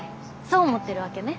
そう思ってるわけね？